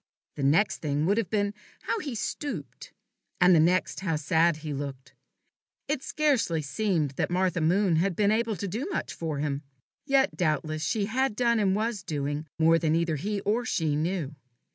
The next thing would have been, how he stooped; and the next, how sad he looked. It scarcely seemed that Martha Moon had been able to do much for him. Yet doubtless she had done, and was doing, more than either he or she knew.